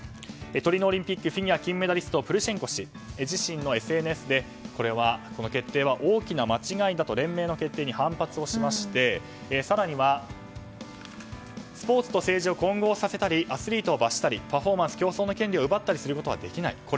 トリノオリンピックフィギュア金メダリスト、プルシェンコ氏自身のＳＮＳでこの決定は大きな間違いだと連盟の決定に反発をしまして更にはスポーツと政治を混合させたりアスリートを罰したりパフォーマンス、競争の権利を奪ったりすることはできない。